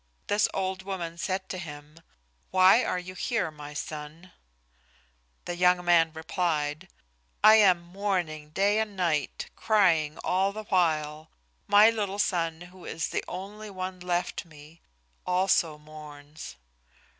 This old woman said to him, "Why are you here, my son?" The young man replied, "I am mourning day and night, crying all the while. My little son, who is the only one left me, also mourns."